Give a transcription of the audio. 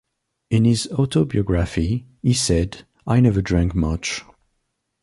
In his autobiography, he said, I never drank much.